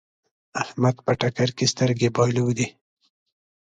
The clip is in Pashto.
احمد په ټکر کې سترګې بايلودې.